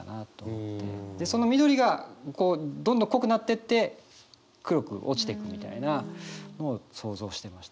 その緑がどんどん濃くなってって黒く落ちていくみたいなのを想像してました。